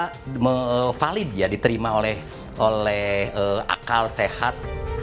dan itu sangat valid ya diterima oleh akal sehat